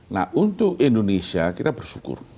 nah untuk indonesia kita bersyukur